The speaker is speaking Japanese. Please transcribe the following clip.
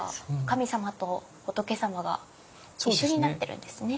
神様と仏様が一緒になってるんですね。